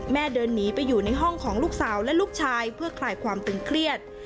เดินหนีไปอยู่ในห้องของลูกสาวและลูกชายเพื่อคลายความตึงเครียด